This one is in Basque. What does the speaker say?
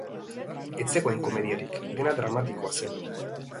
Ez zegoen komediarik, dena dramatikoa zen.